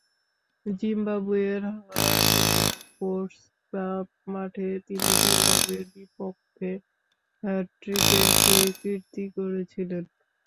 জিম্বাবুয়ের Harare sports club মাঠে তিনি জিম্বাবুয়ের বিপক্ষে হ্যাটট্রিকের সেই কীর্তি গড়েছিলেন।